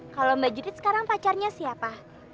kalau mbak judit sekarang pacarnya siapa